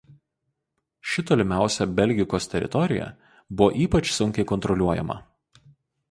Ši tolimiausia Belgikos teritorija buvo ypač sunkiai kontroliuojama.